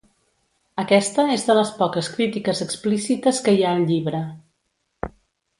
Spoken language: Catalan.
Aquesta és de les poques crítiques explícites que hi ha al llibre.